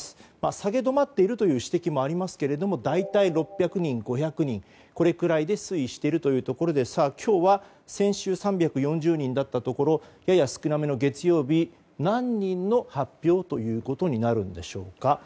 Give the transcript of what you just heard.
下げ止まっているという指摘もありますけれども大体６００人、５００人くらいで推移しているというところで今日は先週３４０人だったところやや少なめの月曜日、何人の発表ということになるんでしょうか。